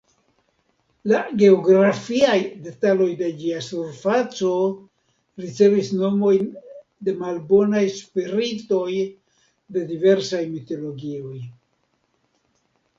La "geografiaj" detaloj de ĝia surfaco ricevis nomojn de malbonaj spiritoj de diversaj mitologioj.